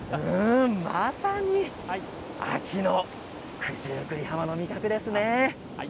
まさに秋の九十九里浜の味覚ですね。